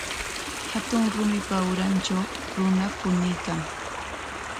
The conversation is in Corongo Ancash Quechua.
Hatun rumipa urantraw runa puñuykan.